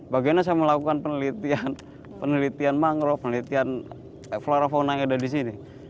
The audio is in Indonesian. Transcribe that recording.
bagiannya saya melakukan penelitian mangrove penelitian flora fauna yang ada di sini